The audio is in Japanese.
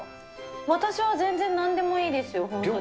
私は全然なんでもいいですよ、本当に。